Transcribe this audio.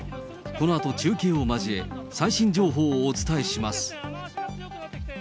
このあと中継を交え、最新情報をお伝えします。